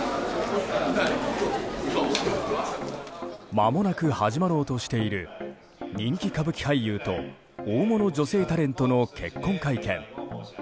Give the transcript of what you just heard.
まもなく始まろうとしている人気歌舞伎俳優と大物女性タレントの結婚会見。